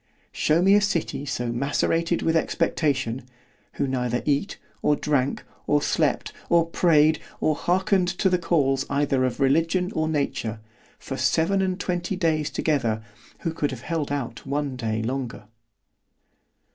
Shew me a city so macerated with expectation——who neither eat, or drank, or slept, or prayed, or hearkened to the calls either of religion or nature, for seven and twenty days together, who could have held out one day longer.